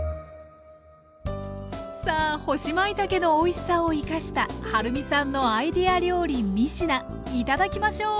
さあ干しまいたけのおいしさを生かしたはるみさんのアイデア料理３品頂きましょう！